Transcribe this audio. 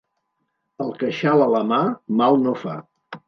El queixal a la mà mal no fa.